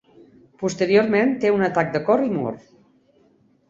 Posteriorment, té un atac de cor i mor.